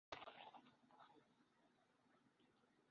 দ্বৈত গিটারের শব্দ এই ধারার সঙ্গীতের সবচেয়ে প্রধান বৈশিষ্ট্য।